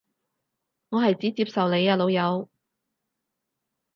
我係指接受你啊老友